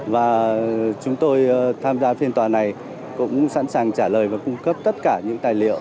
và chúng tôi tham gia phiên tòa này cũng sẵn sàng trả lời và cung cấp tất cả những tài liệu